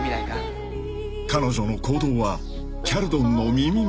［彼女の行動はキャルドンの耳にも］